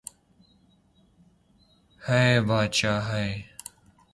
یے بدشاہ ہے